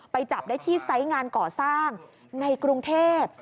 ไปจับได้ที่ไสทำงานเงาะศั้งในกรุงเทพฯ